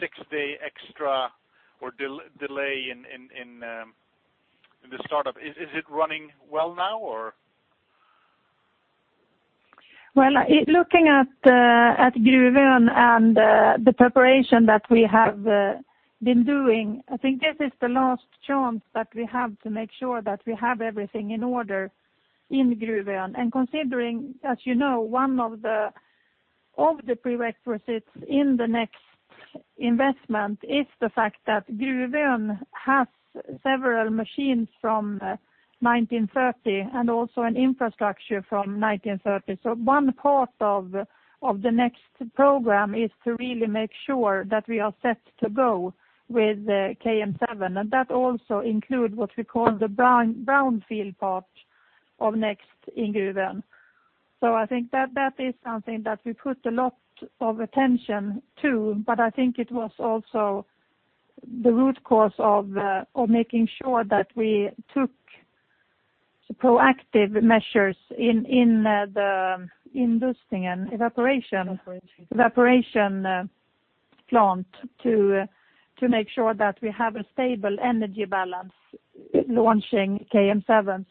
six-day extra or delay in the startup, is it running well now or? Well, looking at Gruvön and the preparation that we have been doing, I think this is the last chance that we have to make sure that we have everything in order in Gruvön. Considering, as you know, one of the prerequisites in the next investment is the fact that Gruvön has several machines from 1930 and also an infrastructure from 1930. One part of the next program is to really make sure that we are set to go with KM7, and that also include what we call the brownfield part of next in Gruvön. I think that is something that we put a lot of attention to, but I think it was also the root cause of making sure that we took proactive measures in the investing and evaporation. Evaporation evaporation plant to make sure that we have a stable energy balance launching KM7.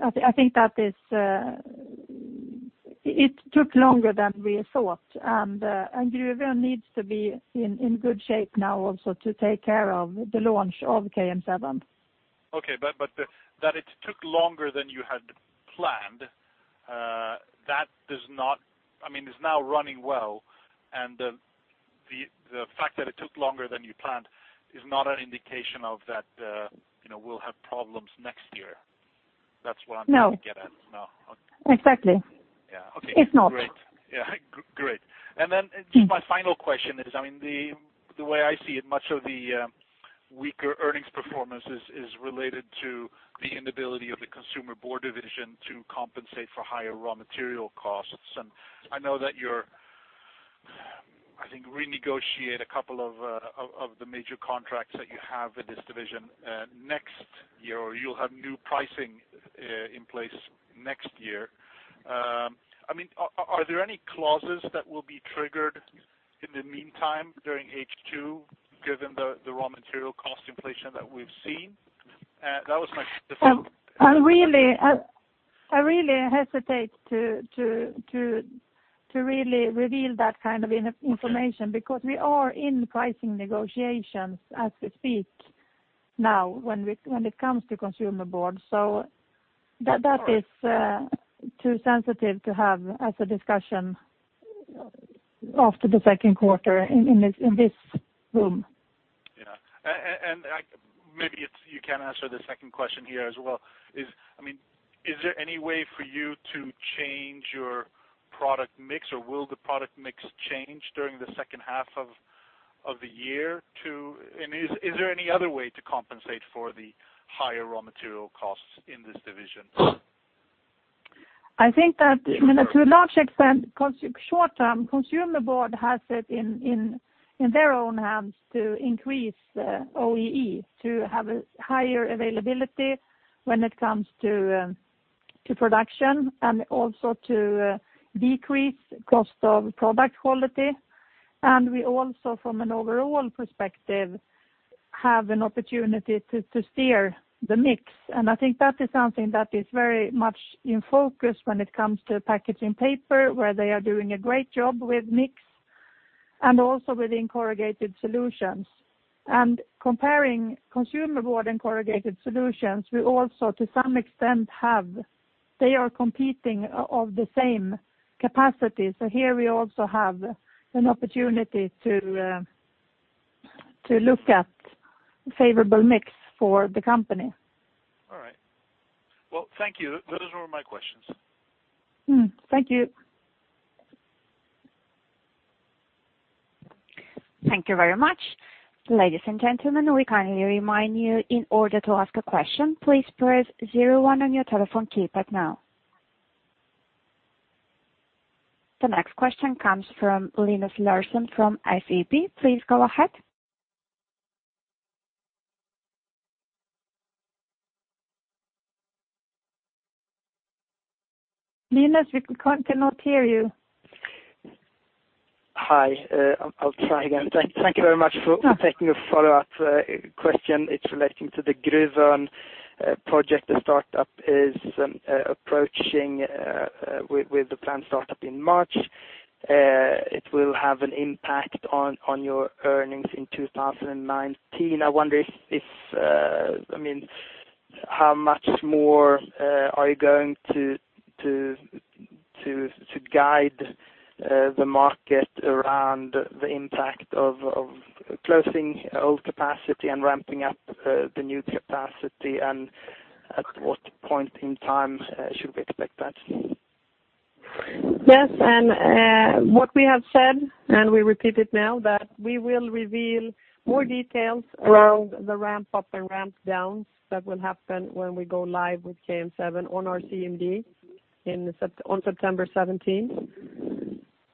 I think it took longer than we thought. Gruvön needs to be in good shape now also to take care of the launch of KM7. Okay. That it took longer than you had planned, I mean, it's now running well. The fact that it took longer than you planned is not an indication of that we'll have problems next year. That's what I'm trying to get at. No. No. Exactly. Yeah. Okay. It's not. Great. Yeah, great. Just my final question is, I mean, the way I see it, much of the weaker earnings performance is related to the inability of the Consumer Board division to compensate for higher raw material costs. I know that you're, I think, renegotiate a couple of the major contracts that you have in this division next year, or you'll have new pricing in place next year. I mean, are there any clauses that will be triggered in the meantime during H2 given the raw material cost inflation that we've seen? That was my, the first- I really hesitate to really reveal that kind of information because we are in pricing negotiations as we speak now when it comes to Consumer Board. That is too sensitive to have as a discussion after the second quarter in this room. Yeah. Maybe you can answer the second question here as well is, I mean, is there any way for you to change your product mix, or will the product mix change during the second half of the year? Is there any other way to compensate for the higher raw material costs in this division? I think that to a large extent, short term, Consumer Board has it in their own hands to increase OEE, to have a higher availability when it comes to production and also to decrease cost of product quality. We also, from an overall perspective, have an opportunity to steer the mix. I think that is something that is very much in focus when it comes to Packaging Paper, where they are doing a great job with mix and also within Corrugated Solutions. Comparing Consumer Board and Corrugated Solutions, we also to some extent have, they are competing of the same capacity. Here we also have an opportunity to look at favorable mix for the company. All right. Well, thank you. Those were my questions. Thank you. Thank you very much. Ladies and gentlemen, we kindly remind you, in order to ask a question, please press 01 on your telephone keypad now. The next question comes from Linus Larsson from SEB. Please go ahead. Linus, we cannot hear you. Hi, I'll try again. Thank you very much for taking a follow-up question. It's relating to the Gruvön project. The startup is approaching with the planned startup in March. It will have an impact on your earnings in 2019. I wonder how much more are you going to guide the market around the impact of closing old capacity and ramping up the new capacity, and at what point in time should we expect that? Yes, what we have said, and we repeat it now, that we will reveal more details around the ramp up and ramp downs that will happen when we go live with KM7 on our CMD on September 17th.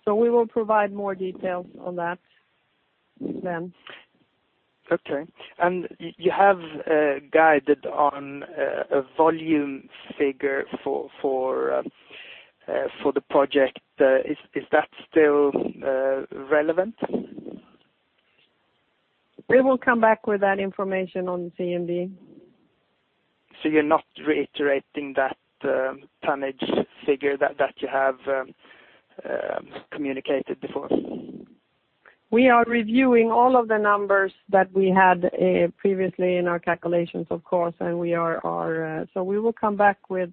We will provide more details on that then. Okay. You have guided on a volume figure for the project. Is that still relevant? We will come back with that information on the CMD. You are not reiterating that tonnage figure that you have communicated before? We are reviewing all of the numbers that we had previously in our calculations, of course. We will come back with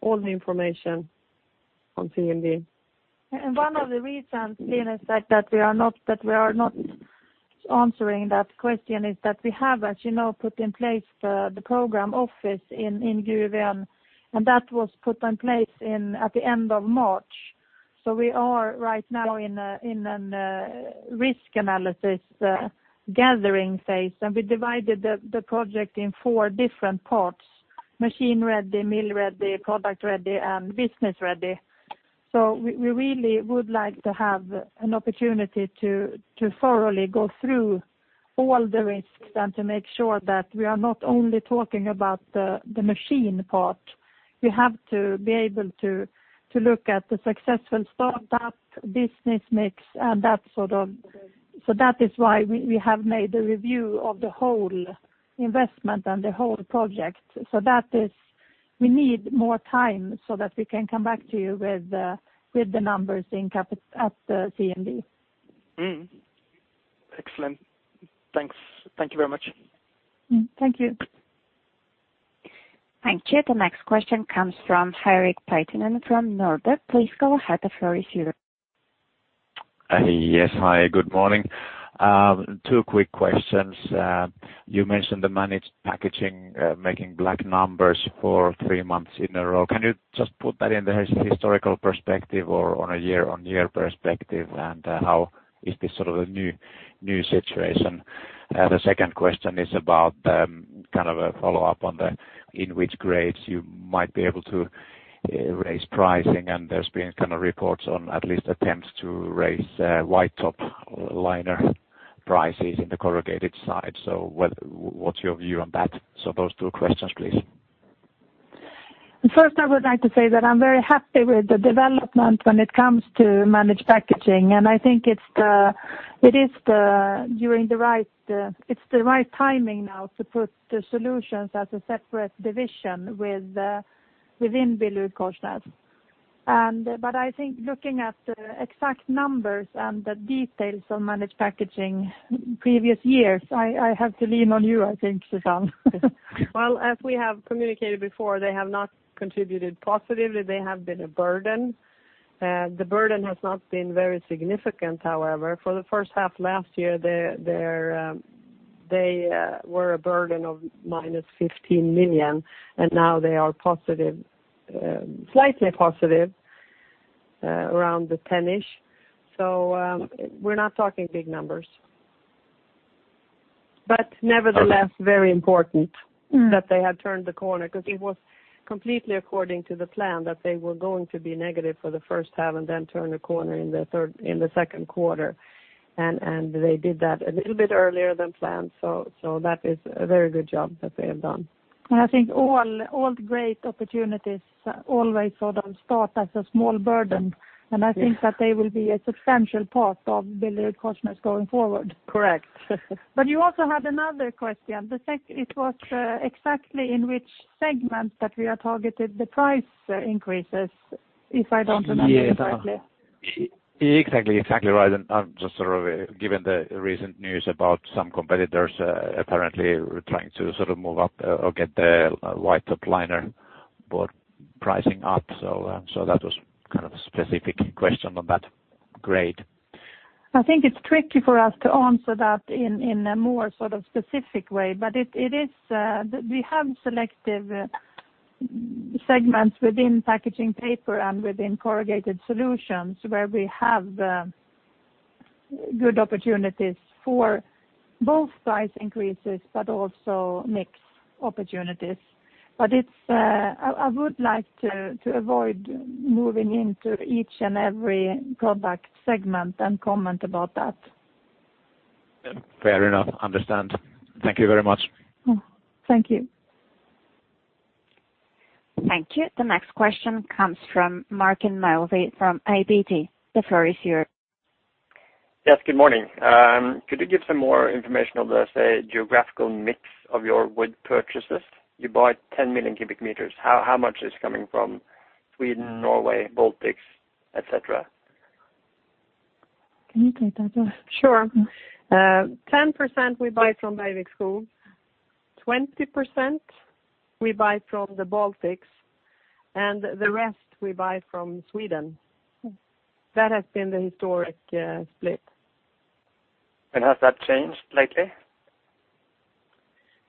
all the information on CMD. One of the reasons, Linus, that we are not answering that question is that we have, as you know, put in place the program office in Gruvön, and that was put in place at the end of March. We are right now in a risk analysis gathering phase, and we divided the project in four different parts, machine ready, mill ready, product ready, and business ready. We really would like to have an opportunity to thoroughly go through all the risks and to make sure that we are not only talking about the machine part. We have to be able to look at the successful startup, business mix, and that sort of. That is why we have made a review of the whole investment and the whole project. We need more time so that we can come back to you with the numbers at the CMD. Excellent. Thanks. Thank you very much. Thank you. Thank you. The next question comes from Nordea. Please go ahead, the floor is yours. Yes. Hi, good morning. Two quick questions. You mentioned the Managed Packaging making black numbers for three months in a row. Can you just put that in the historical perspective or on a year-over-year perspective, and how is this sort of a new situation? The second question is about kind of a follow-up on the, in which grades you might be able to raise pricing, and there has been kind of reports on at least attempts to raise White top liner prices in the corrugated side. What is your view on that? Those two questions, please. First, I would like to say that I am very happy with the development when it comes to Managed Packaging, and I think it is the right timing now to put the solutions as a separate division within BillerudKorsnäs. I think looking at the exact numbers and the details of Managed Packaging, previous years, I have to lean on you, I think, Susanne. Well, as we have communicated before, they have not contributed positively. They have been a burden. The burden has not been very significant, however. For the first half last year, their They were a burden of -15 million. Now they are slightly positive, around the 10-ish. Nevertheless, very important that they had turned the corner because it was completely according to the plan that they were going to be negative for the first half and then turn the corner in the second quarter. They did that a little bit earlier than planned, so that is a very good job that they have done. I think all the great opportunities always sort of start as a small burden, and I think that they will be a substantial part of BillerudKorsnäs going forward. Correct. You also had another question. It was exactly in which segment that we are targeted the price increases, if I don't remember correctly. Yes. Exactly right. Just sort of given the recent news about some competitors apparently trying to sort of move up or get the white top liner pricing up. That was kind of a specific question on that grade. I think it's tricky for us to answer that in a more sort of specific way, but we have selective segments within Packaging Paper and within Corrugated Solutions where we have good opportunities for both price increases but also mix opportunities. I would like to avoid moving into each and every product segment and comment about that. Fair enough. Understand. Thank you very much. Thank you. Thank you. The next question comes from Martin Melbye from ABG. The floor is yours. Yes, good morning. Could you give some more information on the, say, geographical mix of your wood purchases? You buy 10 million cubic meters. How much is coming from Sweden, Norway, Baltics, et cetera? Can you take that, Järpen? Sure. 20% we buy from the Baltics, and the rest we buy from Sweden. That has been the historic split. Has that changed lately?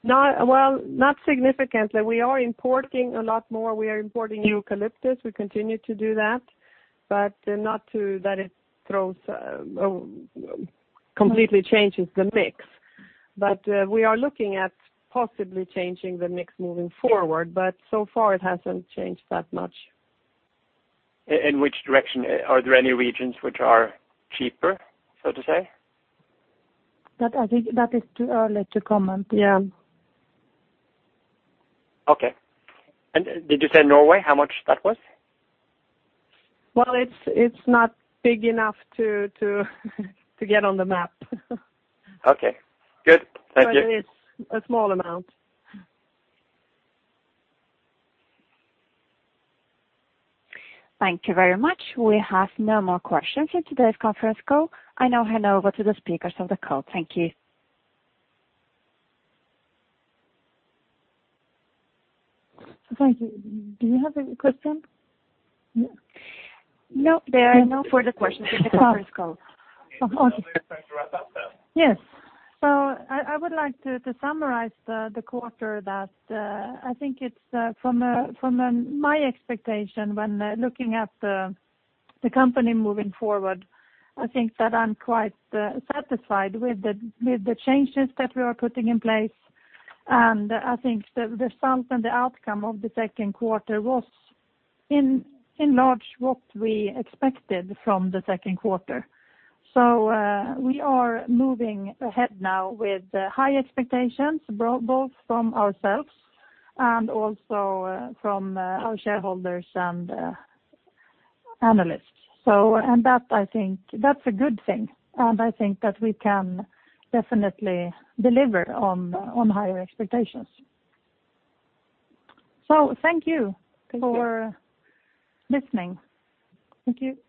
Not significantly. We are importing a lot more. We are importing eucalyptus. We continue to do that, but not that it completely changes the mix. We are looking at possibly changing the mix moving forward, but so far it hasn't changed that much. In which direction? Are there any regions which are cheaper, so to say? I think that is too early to comment. Yeah. Okay. Did you say Norway, how much that was? Well, it's not big enough to get on the map. Okay, good. Thank you. It is a small amount. Thank you very much. We have no more questions in today's conference call. I now hand over to the speakers of the call. Thank you. Thank you. Do you have a question? No, there are no further questions in the conference call. Oh. Okay. I think we're going to wrap up, then. Yes. I would like to summarize the quarter that I think it's from my expectation when looking at the company moving forward, I think that I'm quite satisfied with the changes that we are putting in place, and I think the result and the outcome of the second quarter was in large what we expected from the second quarter. We are moving ahead now with high expectations, both from ourselves and also from our shareholders and analysts. That I think that's a good thing, and I think that we can definitely deliver on higher expectations. Thank you for listening. Thank you.